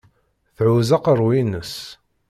Thuzz aqerru-ines.